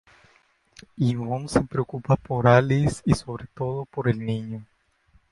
Ivonne se preocupa por Alice y sobre todo por el niño.